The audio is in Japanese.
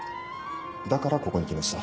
だからここに来ました。